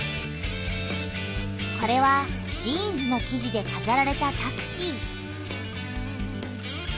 これはジーンズの生地でかざられたタクシー。